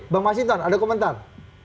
bang mas hinton ada komentar